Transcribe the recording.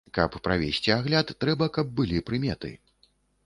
Каб правесці агляд, трэба, каб былі прыметы.